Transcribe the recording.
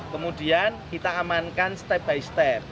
kemudian kita amankan step by step